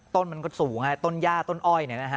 ต้นมันก็สูงต้นย่าต้นอ้อย